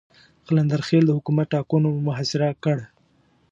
قلندر خېل د حکومت ټانګونو محاصره کړ.